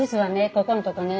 ここんとこね